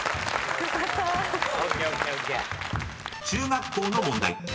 ［中学校の問題］